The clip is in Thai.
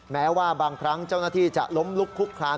แม้ว่าบางครั้งเจ้าหน้าที่จะล้มลุกคุกคลาน